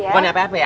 bukan apa apa ya